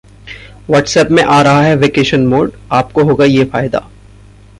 WhatsApp में आ रहा है वेकेशन मोड, आपको होगा ये फायदा